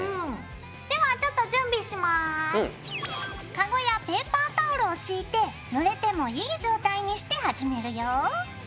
カゴやペーパータオルを敷いてぬれてもいい状態にして始めるよ。